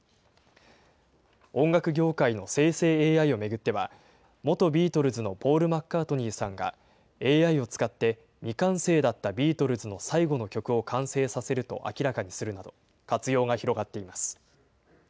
音楽業界の生成ＡＩを巡っては、元ビートルズのポール・マッカートニーさんが、ＡＩを使って、未完成だったビートルズの最後の曲を完成させると明らかにするなど、活用が広がっています。